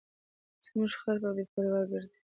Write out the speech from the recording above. زموږ خر په بې پروایۍ ګرځي.